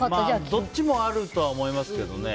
どっちもあると思いますけどね。